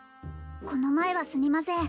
この前はすみません